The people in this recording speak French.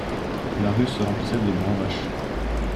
La rue se remplissait de bravaches.